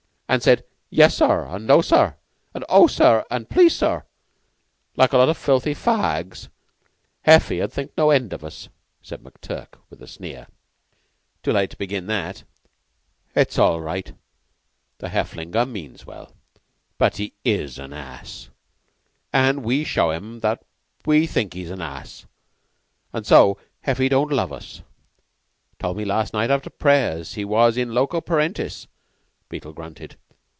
an' said, 'Yes, sir,' an' 'No, sir,' an' 'O, sir,' an' 'Please, sir,' like a lot o' filthy fa ags, Heffy 'ud think no end of us," said McTurk with a sneer. "Too late to begin that." "It's all right. The Hefflelinga means well. But he is an ass. And we show him that we think he's an ass. An' so Heffy don't love us. 'Told me last night after prayers that he was in loco parentis," Beetle grunted.